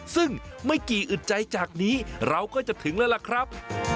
ซึ่งไม่กี่อึดใจจากนี้เราก็จะถึงแล้วล่ะครับ